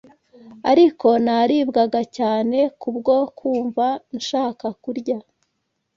Ariko nararibwaga cyane kubwo kumva nshaka kurya